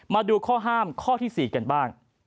มาดูข้อห้ามข้อที่๔กันบ้าง